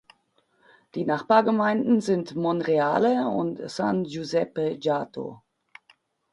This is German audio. Die Nachbargemeinden sind Monreale und San Giuseppe Jato.